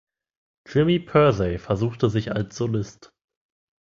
Jimmy Pursey versuchte sich als Solist.